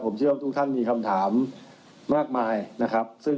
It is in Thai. ผมเชื่อว่าทุกท่านมีคำถามมากมายนะครับ